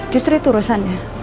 justru itu urusannya